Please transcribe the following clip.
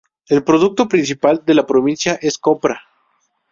El producto principal de la provincia es copra.